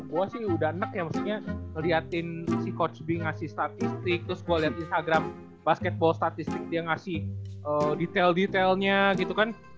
gue sih udah enak ya maksudnya ngeliatin si coach bing ngasih statistik terus gue liat instagram basketball statistik dia ngasih detail detailnya gitu kan